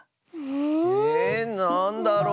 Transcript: えなんだろう？